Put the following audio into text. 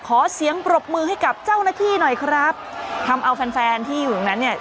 ขอเสียงปรบมือให้กับเจ้าหน้าที่หน่อยครับทำเอาแฟนแฟนที่อยู่ตรงนั้นเนี่ย